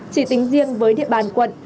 chỉ tính riêng với địa bàn quận